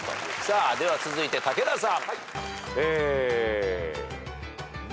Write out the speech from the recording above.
では続いて武田さん。